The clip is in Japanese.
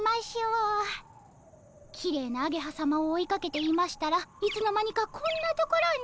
きれいなアゲハさまを追いかけていましたらいつの間にかこんな所に。